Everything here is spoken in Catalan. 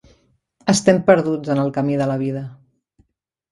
Estem perduts en el camí de la vida.